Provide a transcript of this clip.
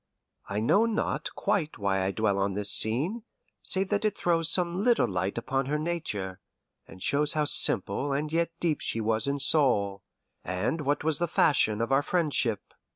I know not quite why I dwell on this scene, save that it throws some little light upon her nature, and shows how simple and yet deep she was in soul, and what was the fashion of our friendship.